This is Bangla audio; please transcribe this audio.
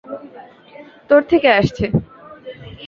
তোর থেকে আসছে।